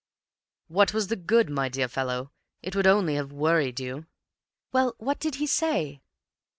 "What was the good, my dear fellow? It would only have worried you." "Well, what did he say?"